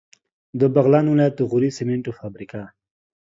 د بغلان ولایت د غوري سیمنټو فابریکه